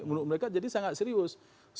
menurut mereka jadi sangat serius